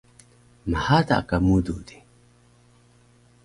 mhada ka mudu di